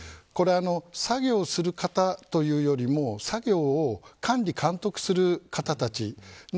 作業する方というよりも作業を管理、監督する方たちの